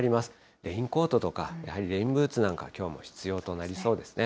レインコートとか、やはりレインブーツなどはきょうも必要となりそうですね。